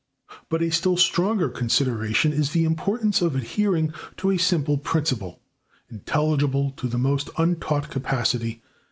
But a still stronger consideration is the importance of adhering to a simple principle, intelligible to the most untaught capacity.